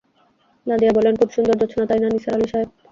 নদিয়া বললেন, খুব সুন্দর জোছনা, তাই না নিসার আলি সাহেব?